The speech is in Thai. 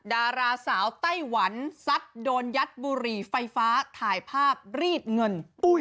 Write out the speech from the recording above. ดาราสาวไต้หวันซัดโดนยัดบุหรี่ไฟฟ้าถ่ายภาพรีดเงิน